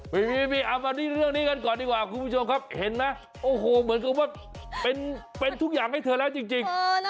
ไม่มีเอามาที่เรื่องนี้กันก่อนดีกว่าคุณผู้ชมครับเห็นไหมโอ้โหเหมือนกับว่าเป็นทุกอย่างให้เธอแล้วจริง